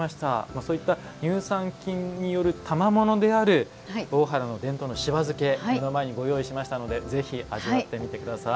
そういった乳酸菌によるたまものである大原の伝統のしば漬け目の前にご用意しましたのでぜひ、味わってみてください。